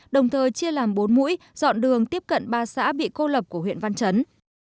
đồng thời chia làm bốn mũi dọn đường tiếp cận ba xã bị cô lập của huyện văn chấn